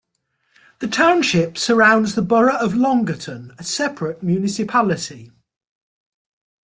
The township surrounds the borough of Loganton, a separate municipality.